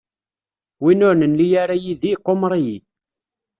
Win ur nelli ara yid-i iqumer-iyi.